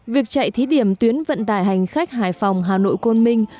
việc chạy thí điểm tuyến vận tải hành khách hải phòng hà nội côn minh